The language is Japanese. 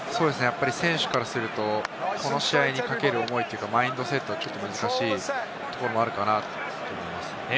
選手からすると、この試合にかける思いというか、マインドセットというのは難しいところもあるかなと思います。